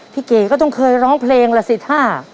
เก๋ก็ต้องเคยร้องเพลงล่ะสิถ้า